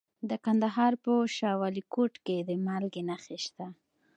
د کندهار په شاه ولیکوټ کې د مالګې نښې شته.